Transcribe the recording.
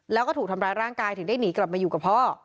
แล้วก็ถูกทำร้ายร่างกายถึงได้หนีกลับมาอยู่กับพ่อ